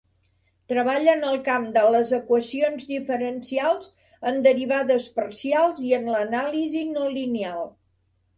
Treballa en el camp de les equacions diferencials en derivades parcials i en l'anàlisi no-lineal.